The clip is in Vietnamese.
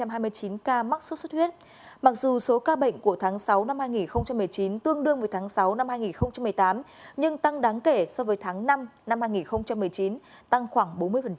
tp hcm đã ghi nhận hai ba trăm hai mươi chín ca mắc xuất xuất huyết mặc dù số ca bệnh của tháng sáu năm hai nghìn một mươi chín tương đương với tháng sáu năm hai nghìn một mươi tám nhưng tăng đáng kể so với tháng năm năm hai nghìn một mươi chín tăng khoảng bốn mươi